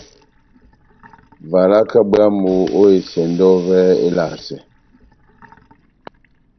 Valaka bwámu ó esɛndɔ yɔvɛ elasɛ.